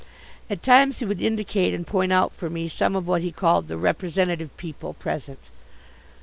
At times he would indicate and point out for me some of what he called the "representative people" present.